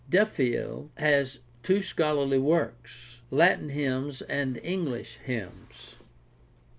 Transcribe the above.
Duffield has two scholarly works, Latin Hymns and English Hymns.